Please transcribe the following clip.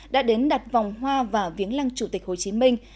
đã đến đặt vòng hoa và viếng lăng chủ tịch hồ chí minh